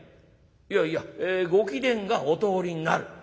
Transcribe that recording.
「いやいやご貴殿がお通りになる」。